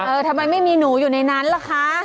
ทำไมไม่มีหนูอยู่ในนั้นล่ะคะ